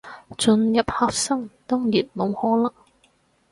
進入核心，當然冇可能